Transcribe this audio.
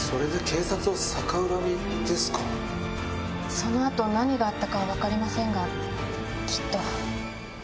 その後何があったかは分かりませんがきっと。